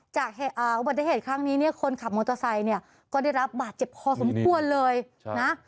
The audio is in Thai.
จากอุบัติเหตุครั้งนี้เนี่ยคนขับมอเตอร์ไซค์เนี่ยก็ได้รับบาดเจ็บพอสมควรเลยนะ